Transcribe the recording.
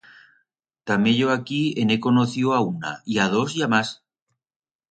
Tamé yo aquí en he conociu a una, y a dos, y a mas.